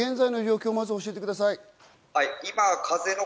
現在の状況をまず教えてください。